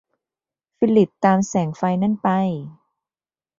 ฟิลิปตามแสงไฟนั่นไป